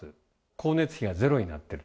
光熱費がゼロになってる。